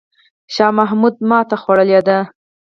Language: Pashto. شاه محمود ماته خوړلې ده.